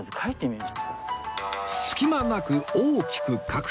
隙間なく大きく書く！